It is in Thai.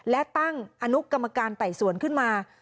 และตั้งอนุกรรมการไต่สวนขึ้นมา